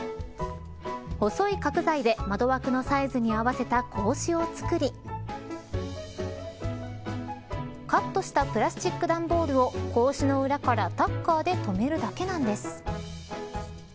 細い角材で窓枠のサイズに合わせた格子を作りカットしたプラスチック段ボールを格子の裏からタッカーで留めるだけなんです。